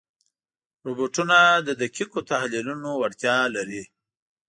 روبوټونه د دقیقو تحلیلونو وړتیا لري.